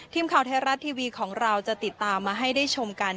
ทีมข่าวไทยรัฐทีวีของเราจะติดตามมาให้ได้ชมกัน